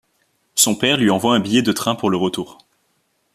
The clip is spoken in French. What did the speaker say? Son père lui envoie un billet de train pour le retour.